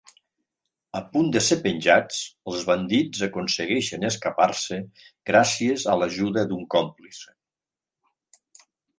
A punt de ser penjats, els bandits aconsegueixen escapar-se gràcies a l'ajuda d'un còmplice.